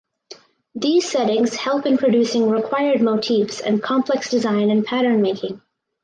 These settings help in producing required motifs and complex design and pattern making.